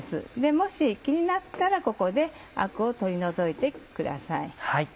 もし気になったらここでアクを取り除いてください。